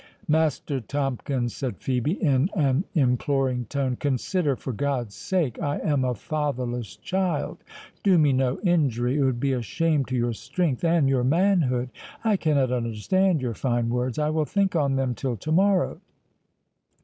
"Master Tomkins," said Phœbe, in an imploring tone, "consider, for God's sake, I am a fatherless child—do me no injury, it would be a shame to your strength and your manhood—I cannot understand your fine words—I will think on them till to morrow."